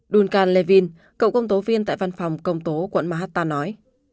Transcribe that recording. duncan levin cộng công tố viên tại văn phòng công tố quận manhattan nói